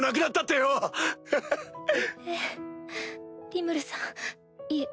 リムルさんいえ